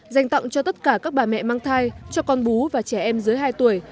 dành tặng cho tất cả các bà mẹ mang thai cho con bú và trẻ em dưới hai tuổi